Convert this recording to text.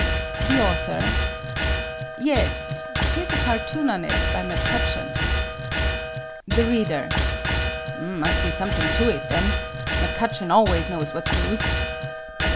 The Author: Yes. Here's a cartoon on it by Mc Cutcheon. The Reader: Must be something to it then. Mc Cutcheon always knows what's news.